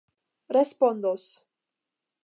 respondos